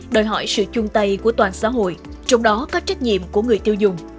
đòi hỏi sự chung tay của toàn xã hội trong đó có trách nhiệm của người tiêu dùng